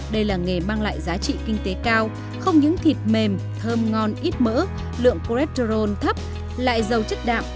đây là nghề mang lại giá trị kinh tế cao không những thịt mềm thơm ngon ít mỡ lượng cholesterol thấp lại giàu chất đạm